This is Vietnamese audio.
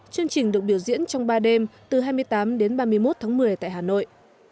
chương trình được biểu diễn trong ba đêm từ hai mươi tám đến ba mươi một tháng một mươi tại hà nội